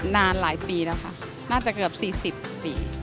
นานหลายปีแล้วค่ะน่าจะเกือบ๔๐ปี